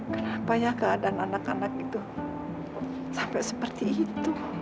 kenapanya keadaan anak anak itu sampai seperti itu